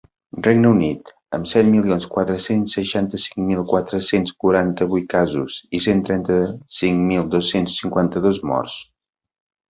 Regne Unit, amb set milions quatre-cents seixanta-cinc mil quatre-cents quaranta-vuit casos i cent trenta-cinc mil dos-cents cinquanta-dos morts.